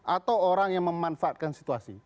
atau orang yang memanfaatkan situasi